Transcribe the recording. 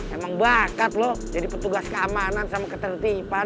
emang bakat loh jadi petugas keamanan sama ketertiban